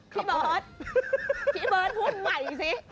พี่บอสพี่บอสพูดใหม่สิ